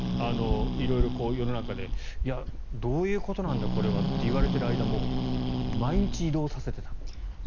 色々、世の中でどういうことなんだ、これはって言われている間も毎日、移動させてたと。